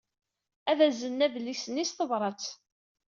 Ad aznen adlis-nni s tebṛat.